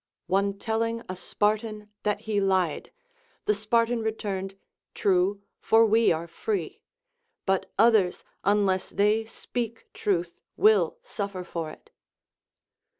One telling a Spartan that he lied, the Spartan returned : True, for we are free ; but others, unless they speak truth, will suffer for it.